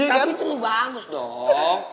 tapi itu lu bangus dong